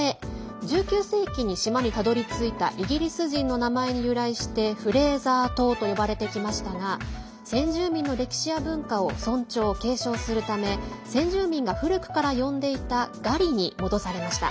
１９世紀に島にたどりついたイギリス人の名前に由来してフレーザー島と呼ばれてきましたが先住民の歴史や文化を尊重・継承するため先住民が古くから呼んでいたガリに戻されました。